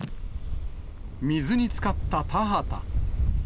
水につかった田畑。